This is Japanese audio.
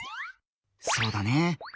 そうだね。